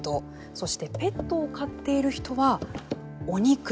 そしてペットを飼っている人はお肉。